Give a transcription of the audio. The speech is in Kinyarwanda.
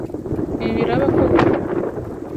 Ibi biraba koko?